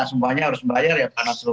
semuanya harus dibayar ya